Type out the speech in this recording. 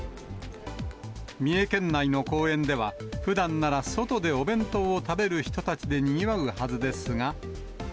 三重県内の公園では、ふだんなら外でお弁当を食べる人たちでにぎわうはずですが。